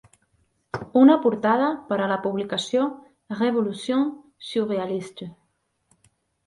Una portada per a la publicació "Révolution Surrealiste".